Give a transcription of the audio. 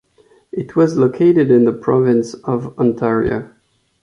It was located in the province of Ontario.